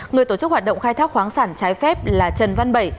người tổ chức hoạt động khai thác khoáng sản trái phép là trần văn bảy